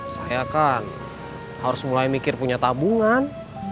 saya kan harus mulai mikir punya tabungan